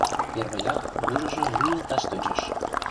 Первыяк южыжо лӱйылташ тӧчыш.